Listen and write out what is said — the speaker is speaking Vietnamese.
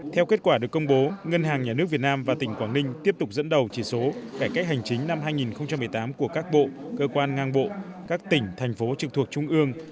theo kết quả được công bố ngân hàng nhà nước việt nam và tỉnh quảng ninh tiếp tục dẫn đầu chỉ số cải cách hành chính năm hai nghìn một mươi tám của các bộ cơ quan ngang bộ các tỉnh thành phố trực thuộc trung ương